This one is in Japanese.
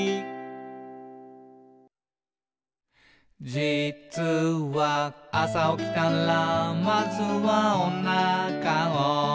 「じつは、朝起きたらまずはおなかを」